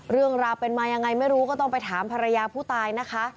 เรื่องราวเป็นมายังไงไม่รู้ก็ต้องไปถามภรรยาผู้ตายนะคะ